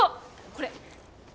これ。